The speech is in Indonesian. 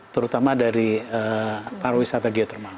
terutama dari para wisata geotermal